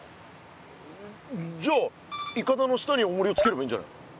じゃあいかだの下におもりをつければいいんじゃないの。